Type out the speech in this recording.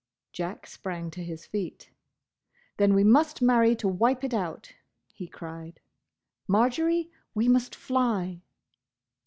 Jack sprang to his feet. "Then we must marry to wipe it out!" he cried. "Marjory, we must fly!"